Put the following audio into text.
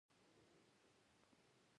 پښتانه ډير درانه او عزتمن خلک دي